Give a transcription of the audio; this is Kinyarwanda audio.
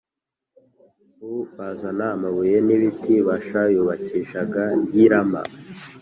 u bazana amabuye n ibiti Basha yubakishaga y i Rama